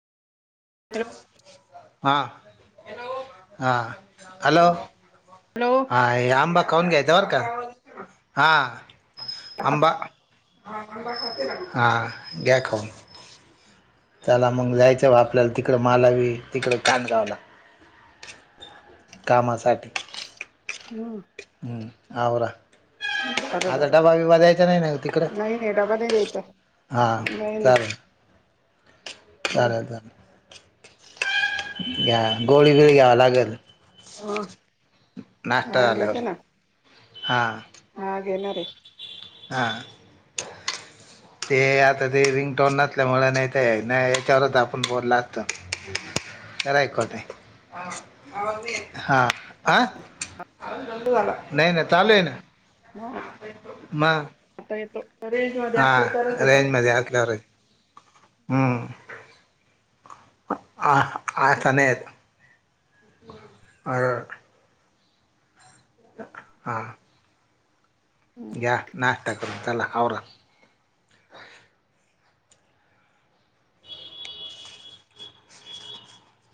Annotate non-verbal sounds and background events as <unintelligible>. हा हा hello <unintelligible> hello. हा हे आंबा खाऊन घ्यायचां बरका, हां आंबा हा, घ्या खऊन. चला मग, जायचं आपल्याला तिकडं मालावी तिकडं खनगावला कामासाठी हम्म, आवरा हॅलो बरं आता बरं डबा बिबा द्यायचा नाही ना <unintelligible> तिकड नाही नाही डबा नाही द्यायचा हा, नाही नाही चालेल हं. चालेल, चालेल या, गोळीबिली घ्यावा लागेल. हा नाश्ता हा झालावर घेते ना हां, हा घेणार आहे हां ते आता ते रिंगटोन नसल्यामुळे, नाहीत नाही याच्यावरच आपण बोलला असत. रायकोट आहे हा <unintelligible> आ नाही नाही चालू आहे ना <unintelligible> हां <unintelligible> मा <unintelligible> आता येतो. रेंज मध्ये असलं हा, तरच येतो रेंज मध्ये असल्यावर, हम्म ह आता नाही येत. आ <unintelligible> हा <unintelligible> घ्या नाश्ता करून, चला आवरा.